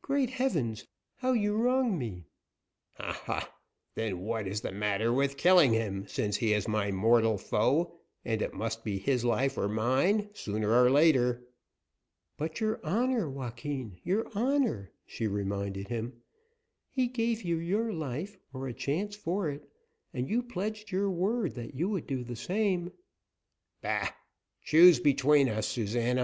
Great heavens! how you wrong me!" "Ha! ha! Then what is the matter with killing him, since he is my mortal foe, and it must be his life or mine sooner or later?" "But, your honor, Joaquin, your honor," she reminded him. "He gave you your life, or a chance for it, and you pledged your word that you would do the same " "Bah! Choose between us, Susana."